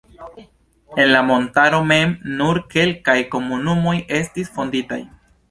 En la montaro mem nur kelkaj komunumoj estis fonditaj.